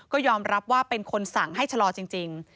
ก็ยอมรับว่าเป็นคนสั่งให้ชะลอจริง